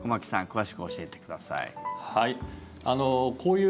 詳しく教えてください。